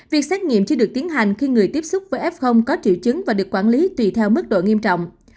việc xét nghiệm chỉ được tiến hành khi người tiếp xúc với f có triệu chứng và được quản lý tùy theo mức độ nghiêm trọng